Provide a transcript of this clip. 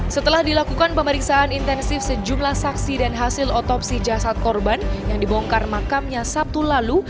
setelah dilakukan pemeriksaan intensif sejumlah saksi dan hasil otopsi jasad korban yang dibongkar makamnya sabtu lalu